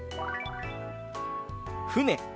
「船」。